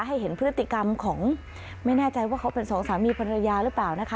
เห็นพฤติกรรมของไม่แน่ใจว่าเขาเป็นสองสามีภรรยาหรือเปล่านะคะ